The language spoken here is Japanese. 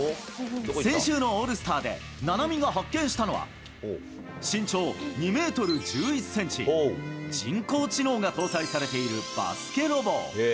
先週のオールスターで菜波が発見したのは、身長２メートル１１センチ、人工知能が搭載されているバスケロボ。